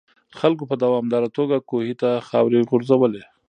خلکو په دوامداره توګه کوهي ته خاورې غورځولې.